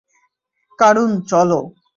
কারুন, চলো।